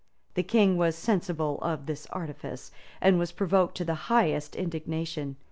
The king was sensible of the artifice, and was provoked to the highest indignation.